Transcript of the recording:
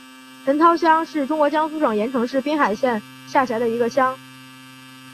陈涛乡是中国江苏省盐城市滨海县下辖的一个乡。